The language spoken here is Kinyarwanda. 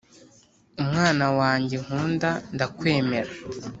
Umwana wanjye nkunda ndakwemera